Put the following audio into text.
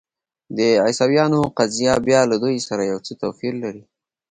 د عیسویانو قضیه بیا له دوی سره یو څه توپیر لري.